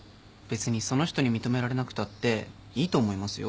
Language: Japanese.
別にその人に認められなくたっていいと思いますよ。